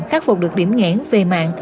khắc phục được điểm nghẽn về mạng